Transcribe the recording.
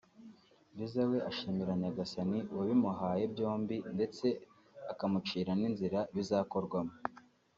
Liza we ashimira Nyagasani wabimuhaye byombi ndetse akamucira n’inzira bizakorwamo